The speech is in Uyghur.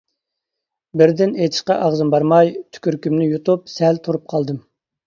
بىردىن ئېيتىشقا ئاغزىم بارماي، تۈكۈرۈكۈمنى يۇتۇپ سەل تۇرۇپ قالدىم.